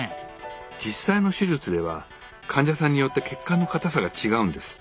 実際の手術では患者さんによって血管の硬さが違うんです。